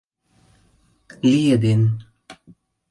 — Лиеден...